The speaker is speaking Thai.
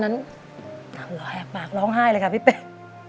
หนักหล่อแหกปากร้องไห้เลยค่ะพี่เป็น